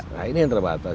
nah ini yang terbatas